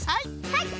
はい！